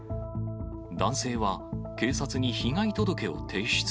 男性は警察に被害届を提出。